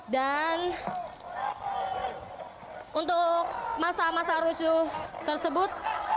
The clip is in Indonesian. dan untuk masa masa rusuh tersebut